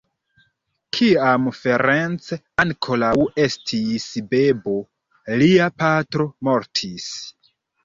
Kiam Ferenc ankoraŭ estis bebo, lia patro mortis.